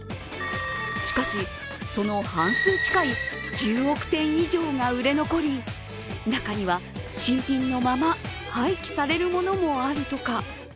しかし、その半数近い１０億点以上が売れ残り中には、新品のまま廃棄されるものもあるとか。